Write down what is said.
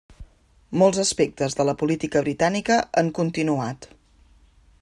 Molts aspectes de la política britànica han continuat.